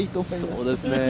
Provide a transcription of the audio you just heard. そうですね。